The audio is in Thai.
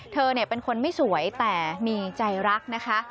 เธอเป็นคนไม่สวยแต่มีใจรักนะคะ